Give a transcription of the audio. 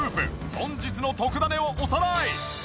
本日の特ダネをおさらい。